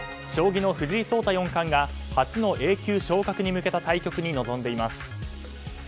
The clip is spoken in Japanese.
将棋の藤井聡太四冠が初のＡ級昇格に向けた対局に臨んでいます。